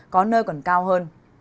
có nơi còn cao hơn